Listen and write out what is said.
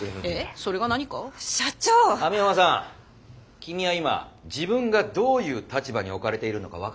君は今自分がどういう立場に置かれているのか分からないのか？